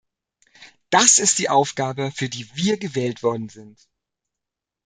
Das ist die Aufgabe, für die wir gewählt worden sind.